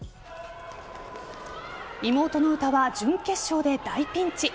妹の詩は準決勝で大ピンチ。